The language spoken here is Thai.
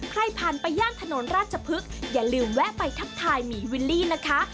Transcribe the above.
ใครผ่านไปย่านถนนราชพฤกษ์อย่าลืมแวะไปทักทายหมีวิลลี่นะคะ